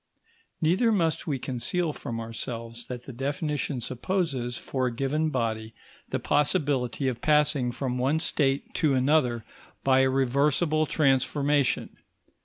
Neither must we conceal from ourselves that the definition supposes, for a given body, the possibility of passing from one state to another by a reversible transformation.